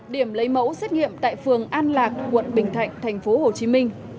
điểm lấy mẫu xét nghiệm tại phường an lạc quận bình thạnh tp hcm